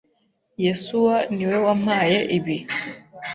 Yesuwa niwe wampaye ibi.